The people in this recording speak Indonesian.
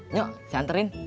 nyok si anterin